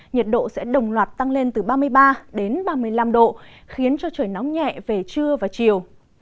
nhiệt độ sẽ đồng loạt tăng lên từ ba mươi ba đến ba mươi năm độ khiến cho trời nóng nhẹ về trưa và chiều